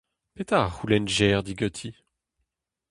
Petra a c'houlennjec'h diganti ?